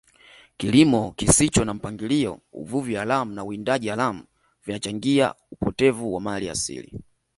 kilimo kisicho na mpangilio uvuvi haramu na uwindaji haramu vinachangia upotevu wa mali asili